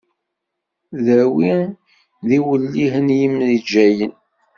Ddwawi d iwellihen n yimejjayen.